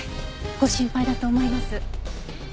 ご心配だと思います。